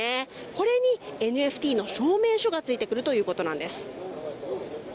これにＮＦＴの証明書がついてくるということです。